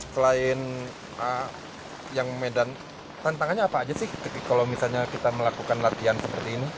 selain yang medan tantangannya apa aja sih kalau misalnya kita melakukan latihan seperti ini